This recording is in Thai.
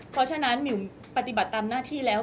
เพราะฉะนั้นหมิวปฏิบัติตามหน้าที่แล้ว